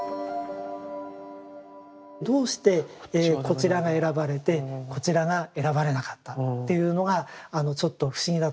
どうしてこちらが選ばれてこちらが選ばれなかったっていうのがちょっと不思議なとこ。